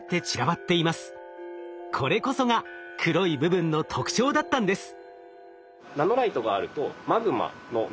これこそが黒い部分の特徴だったんです。